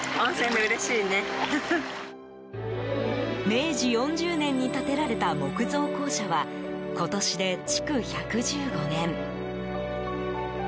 明治４０年に建てられた木造校舎は今年で築１１５年。